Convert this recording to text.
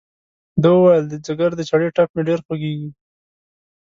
ده وویل د ځګر د چړې ټپ مې ډېر خوږېږي.